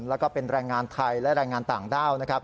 และเป็นแรงงานไทยและแรงงานต่างด้าว